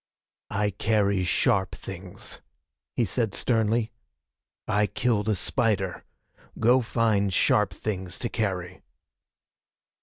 "I carry sharp things," he said sternly. "I killed a spider. Go find sharp things to carry."